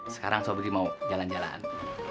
sekarang sobek mau jalan jalan